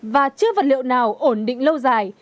và chưa vật liệu nào ổn định lâu dài